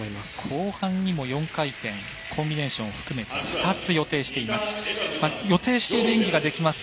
後半にも４回転、コンビネーション含め２つ予定しています。